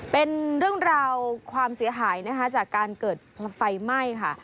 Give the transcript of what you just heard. เป็นเรื่องราวความเสียหายนะคะจากการเกิดไฟไหม้ค่ะ